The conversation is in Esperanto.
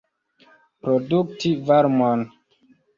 Produkti varmon.